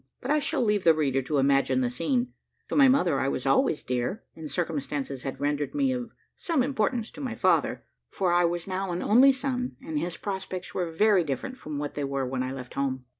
But I shall leave the reader to imagine the scene: to my mother I was always dear, and circumstances had rendered me of some importance to my father, for I was now an only son, and his prospects were very different from what they were when I left home.